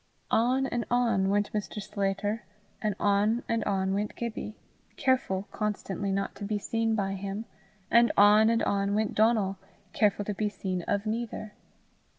On and on went Mr. Sclater, and on and on went Gibbie, careful constantly not to be seen by him; and on and on went Donal, careful to be seen of neither.